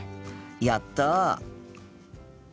やった！